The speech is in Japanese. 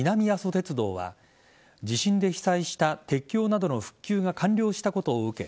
鉄道は地震で被災した鉄橋などの復旧が完了したことを受け